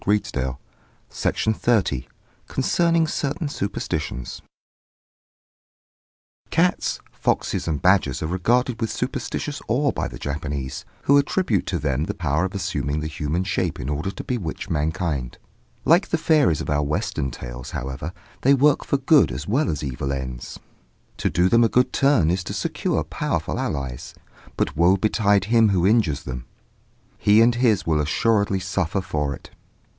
CONCERNING CERTAIN SUPERSTITIONS CONCERNING CERTAIN SUPERSTITIONS Cats, foxes, and badgers are regarded with superstitious awe by the Japanese, who attribute to them the power of assuming the human shape in order to bewitch mankind. Like the fairies of our Western tales, however, they work for good as well as for evil ends. To do them a good turn is to secure powerful allies; but woe betide him who injures them! he and his will assuredly suffer for it.